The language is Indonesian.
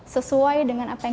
sesuai dengan kita